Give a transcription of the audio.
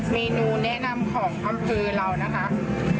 เมนูแนะนำของอำเภอเรานะครับ